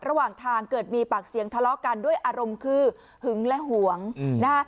ระหว่างทางเกิดมีปากเสียงทะเลาะกันด้วยอารมณ์คือหึงและห่วงนะฮะ